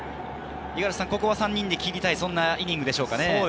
ここは３人で切りたい、そんなイニングでしょうかね。